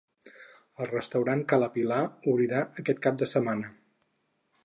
El restaurant Ca La Pilar obrirà aquest cap de setmana.